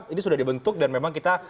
ini sudah dibentuk dan memang kita